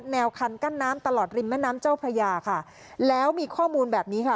แนวคันกั้นน้ำตลอดริมแม่น้ำเจ้าพระยาค่ะแล้วมีข้อมูลแบบนี้ค่ะ